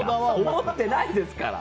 思ってないですから！